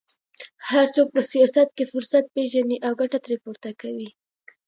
هر څوک په سیاست کې فرصت پېژني او ګټه ترې پورته کوي